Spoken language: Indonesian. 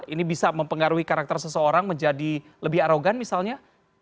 ini bisa mempengaruhi karakter seseorang menjadi lebih arogan misalnya